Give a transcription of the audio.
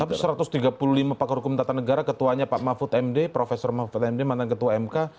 tapi satu ratus tiga puluh lima pakar hukum tata negara ketuanya pak mahfud md prof mahfud md mantan ketua mk